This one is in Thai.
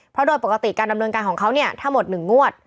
เพราะโดยปกติการดำเนินการของเขาเนี่ยถ้าหมด๑งวด